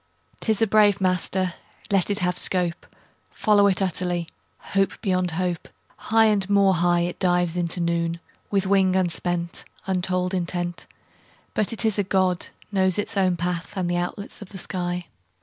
'Tis a brave master; Let it have scope: Follow it utterly, Hope beyond hope: High and more high It dives into noon, With wing unspent, Untold intent; But it is a God, Knows its own path And the outlets of the sky.